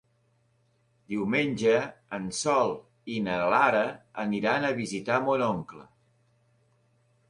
Diumenge en Sol i na Lara aniran a visitar mon oncle.